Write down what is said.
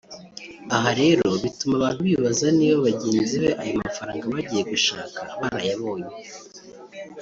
Aha rero bituma abantu bibaza niba bagenzi be ayo mafaranga bagiye gushaka barayabonye